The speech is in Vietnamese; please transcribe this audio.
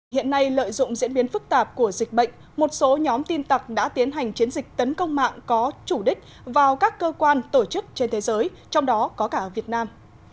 hiện nay lợi dụng diễn biến phức tạp của dịch bệnh một số nhóm tin tặc đã tiến hành chiến dịch tấn công mạng có chủ đích vào các cơ quan tổ chức trên thế giới trong đó có cả ở việt nam